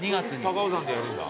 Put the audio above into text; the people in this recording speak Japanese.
高尾山でやるんだ。